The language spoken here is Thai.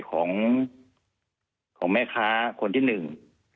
ของของแม่ค้าคนที่หนึ่ง